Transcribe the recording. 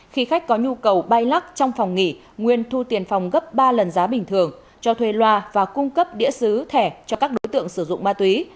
khi khách có nhu cầu bay lắc trong phòng nghỉ nguyên thu tiền phòng gấp ba lần giá bình thường cho thuê loa và cung cấp đĩa xứ thẻ cho các đối tượng sử dụng ma túy